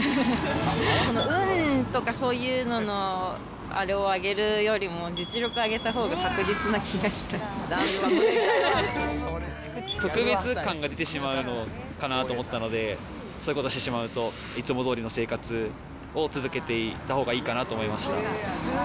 運とかそういうののあれを上げるよりも、実力上げたほうが確実な特別感が出てしまうのかなと思ったので、そういうことしてしまうと、いつもどおりの生活を続けていったほうがいいかなと思いました。